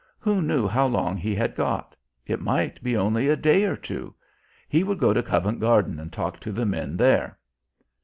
Who knew how long he had got? It might be only a day or two ... He would go to Covent Garden and talk to the men there.